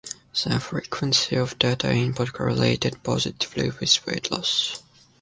The frequency of data input correlated positively with weight loss.